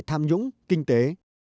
tham nhũng kinh tế